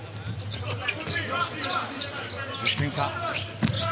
１０点差。